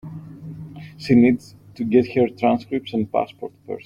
She needs to get her transcripts and passport first.